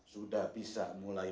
sudah bisa mulai